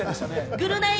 『ぐるナイ』